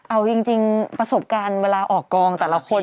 เอาจริงประสบการณ์เวลาออกกองแต่ละคน